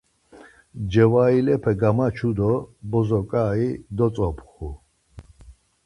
Cevailepe gamaçu do bozo ǩai dotzopxu.